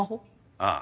ああ。